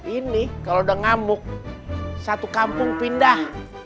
ini kalau udah ngamuk satu kampung pindah